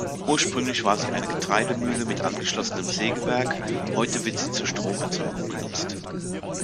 Ursprünglich war sie eine Getreidemühle mit angeschlossenem Sägewerk, heute wird sie zur Stromerzeugung genutzt.